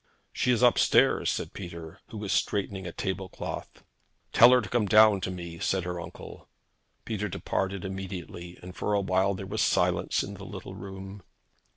'She is up stairs,' said Peter, who was straightening a table cloth. 'Tell her to come down to me,' said her uncle. Peter departed immediately, and for a while there was silence in the little room.